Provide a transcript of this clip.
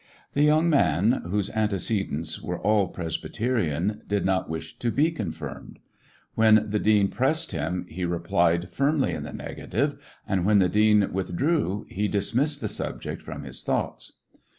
The young man, whose antece dents were all Presbyterian, did not wish to be confirmed. When the dean pressed him 1 ^coUections of a he replied firmly in the negative, and when the dean withdrew he dismissed the subject from his thoughts.